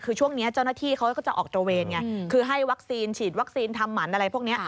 คือช่วงนี้เจ้าหน้าที่เขาก็จะออกตระเวนไงคือให้วัคซีนฉีดวัคซีนทำหมันอะไรพวกนี้